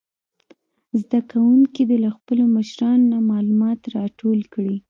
زده کوونکي دې له خپلو مشرانو نه معلومات راټول کړي.